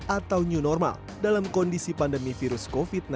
atau new normal dalam kondisi pandemi virus covid sembilan belas